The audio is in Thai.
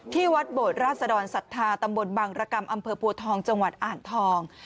ที่วัดโบสถ์ราษฎรสัตว์ธาตำบลบังระกรรมอำเภอภูทองจังหวัดอ่านทอง